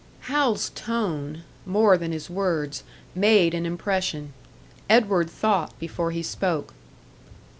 Hal's tone, more than his words, made an impression. Edward thought before he spoke.